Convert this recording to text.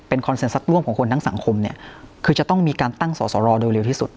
คอนเซ็นสักร่วมของคนทั้งสังคมเนี่ยคือจะต้องมีการตั้งสอสรโดยเร็วที่สุด